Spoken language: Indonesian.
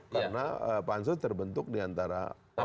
karena pansus terbentuk di antara orang orang